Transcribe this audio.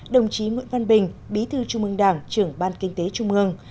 đồng chí nguyễn văn bình bí thư trung ương đảng trưởng ban kinh tế trung ương